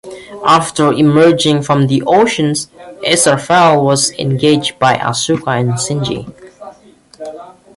After emerging from the ocean, Israfel was engaged by Asuka and Shinji.